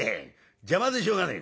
邪魔でしょうがねえ」。